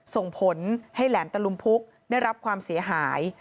ส่งผลให้แหลมตะลุมพุกได้รับความเสียหาย